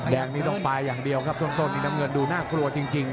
แดงนี้ต้องไปอย่างเดียวครับต้นนี้น้ำเงินดูน่ากลัวจริง